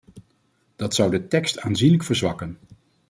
Dat zou de tekst aanzienlijk verzwakken.